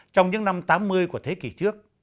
trong những năm tám mươi của thế kỷ trước